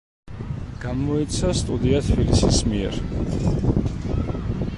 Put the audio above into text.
გამოიცა სტუდია „თბილისის“ მიერ.